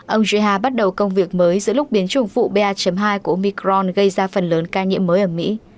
ông jha bắt đầu công việc mới giữa lúc biến chủng vụ ba hai của micron gây ra phần lớn ca nhiễm mới ở mỹ